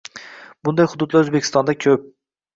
Bunday hududlar O‘zbekistonda ko‘p.